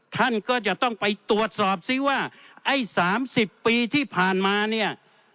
ท่านก็จะต้องไปตรวจสอบซิว่าไอ้๓๐ปีที่ผ่านมาเนี่ย